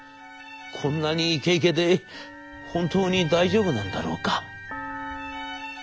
「こんなにイケイケで本当に大丈夫なんだろうか」。